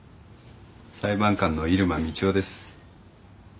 裁判官の入間みちおです。